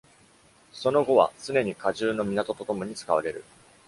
その語は常に荷重の港とともに使われる。